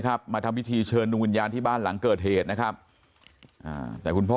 มาทำพิธีเชิญดวงวิญญาณที่บ้านหลังเกิดเหตุนะครับแต่คุณพ่อ